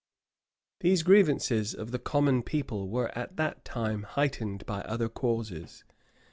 These grievances of the common people were at that time heightened by other causes.